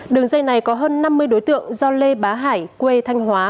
đường dây này có hơn năm mươi đối tượng do lê bá hải quê thanh hóa